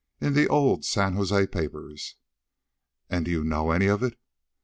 "In the old San Jose papers." "And do you know any of it?"